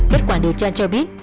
bất quả điều tra cho biết